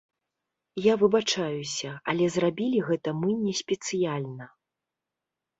Я выбачаюся, але зрабілі гэта мы не спецыяльна.